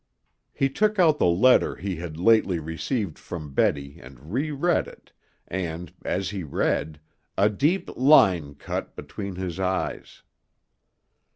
He took out the letter he had lately received from Betty and re read it and, as he read, a deep line cut between his eyes.